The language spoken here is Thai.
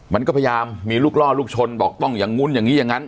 มันก็พยายามมีลูกล่อลูกชนบอกต้องอย่างนู้นอย่างนี้อย่างนั้น